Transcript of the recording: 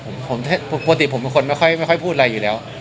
ผมปกติผมเป็นคนไม่ค่อยพูดอะไรอยู่แล้ว